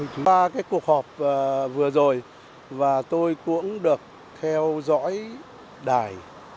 qua cuộc họp vừa rồi và tôi cũng được theo dõi